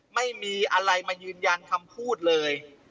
ไม่มีอะไรมายืนยันคำพูดเลย